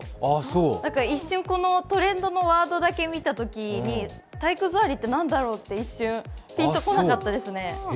だから一瞬、トレンドのワードだけ見たときに体育座りって何だろうって一瞬ぴんとこなかったですね。